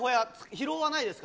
疲労はないですか？